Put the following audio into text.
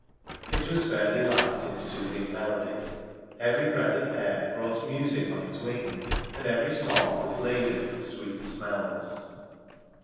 It was fairly lapped in soothing melody. Every breath of air brought music on its wings; and every song was laden with sweet smells.